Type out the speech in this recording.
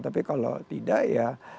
tapi kalau tidak ya